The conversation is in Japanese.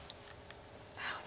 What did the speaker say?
なるほど。